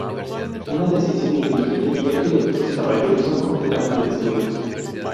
Una decisión inteligente, ya que los otros caballeros son completamente destruidos.